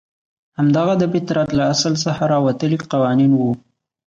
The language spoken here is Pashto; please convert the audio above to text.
همدغه د فطرت له اصل څخه راوتلي قوانین وو.